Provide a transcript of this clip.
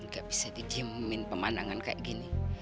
gak bisa di diemin pemandangan kayak gini